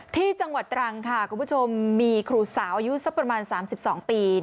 ที่จังหวัดตรังค่ะคุณผู้ชมมีครูสาวอายุสักประมาณ๓๒ปี